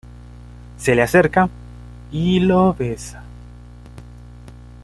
Se le acerca y lo besa.